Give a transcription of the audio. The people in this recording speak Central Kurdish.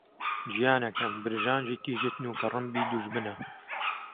گیانەکەم! برژانگی تیژت نووکە ڕمبی دوژمنە